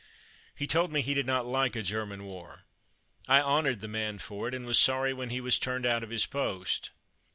He told me he did not like a German war. I honored the man for it, and was sorry when he was turned out of his post.